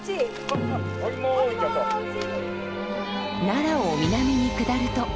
奈良を南に下ると。